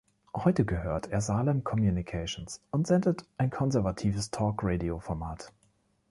Heute gehört er Salem Communications und sendet ein konservatives Talk-Radio-Format.